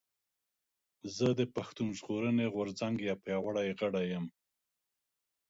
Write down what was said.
زه د پشتون ژغورنې غورځنګ يو پياوړي غړی یم